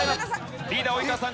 リーダー及川さん